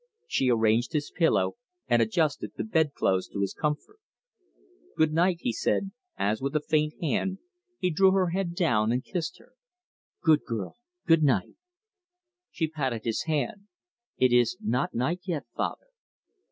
She arranged his pillow, and adjusted the bedclothes to his comfort. "Good night," he said, as, with a faint hand, he drew her head down and kissed her. "Good girl! Goodnight!" She patted his hand. "It is not night yet, father."